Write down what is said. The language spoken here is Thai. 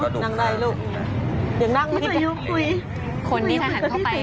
คนที่ถามนั่งเขาไปคือนไร